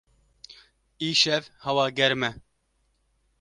Îşev hewa germ e.